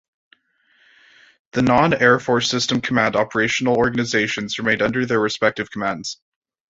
The non-Air Force System Command operational organizations remained under their respective commands.